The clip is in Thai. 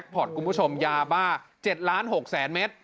พอร์ตคุณผู้ชมยาบ้า๗๖ล้านเมตร